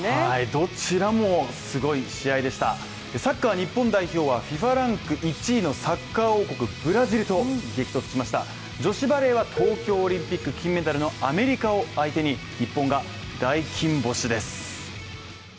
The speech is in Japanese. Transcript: どちらもすごい試合でしたサッカー日本代表はＦＩＦＡランク１位のサッカー王国ブラジルと激突しました女子バレーは東京オリンピック金メダルのアメリカを相手に日本が大金星です。